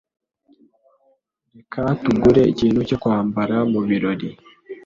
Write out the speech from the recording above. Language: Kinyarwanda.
Reka tugure ikintu cyo kwambara mubirori.